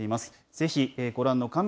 ぜひご覧の画面